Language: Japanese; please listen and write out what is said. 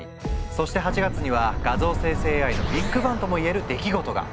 そして８月には画像生成ＡＩのビッグバンとも言える出来事が！